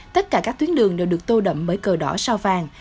tất cả các tuyến đường đều được tô đậm bởi cờ đỏ sao vàng